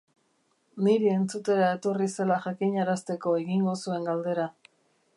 Niri entzutera etorri zela jakinarazteko egingo zuen galdera.